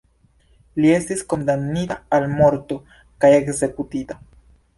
Li estis kondamnita al morto kaj ekzekutita.